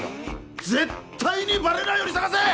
絶対にバレないように捜せ！